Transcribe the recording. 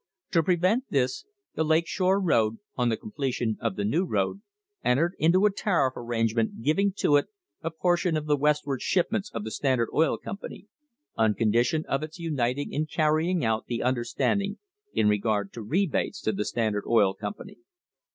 To prevent this, the Lake Shore road, on the completion of the new road, entered into a tariff arrangement giving to it a portion of the Westward shipments of the Standard Oil Company, on condition of its uniting in carrying out the understanding in regard to rebates to the Standard Oil Com pany.